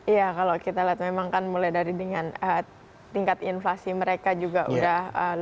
iya kalau kita lihat memang kan mulai dari dengan tingkat inflasi mereka juga sudah